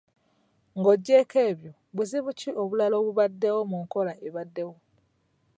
Ng’oggyeeko ebyo, buzibu ki obulala obubaddewo mu nkola ebaddewo?